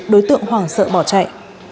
đối tượng hoảng sợ bỏ chạy